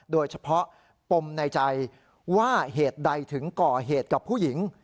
โดยเฉพาะปมในใจว่าเหตุใดถึงก่อเหตุกับผู้หญิง